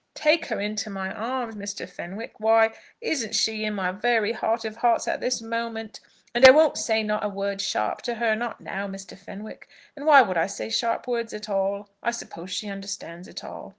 "Take her into my arms, Mr. Fenwick? Why, isn't she in my very heart of hearts at this moment? And I won't say not a word sharp to her; not now, Mr. Fenwick. And why would I say sharp words at all? I suppose she understands it all."